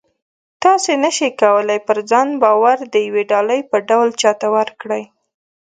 تاسې نه شئ کولی پر ځان باور د یوې ډالۍ په ډول چاته ورکړئ